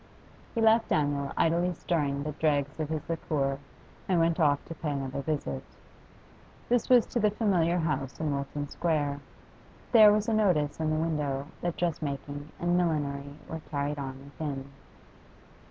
He left Daniel idly stirring the dregs of his liquor, and went off to pay another visit. This was to the familiar house in Wilton Square. There was a notice in the window that dress making and millinery were carried on within.